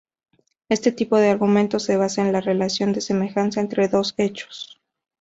Este tipo de argumento se basa en la relación de semejanza entre dos hechos.